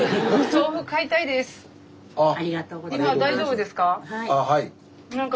今大丈夫ですか？